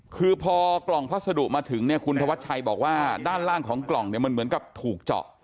คือพอกล่องพัสดุมาถึงเนี่ยคุณธวัชชัยบอกว่าด้านล่างของกล่องเนี่ยมันเหมือนกับถูกเจาะ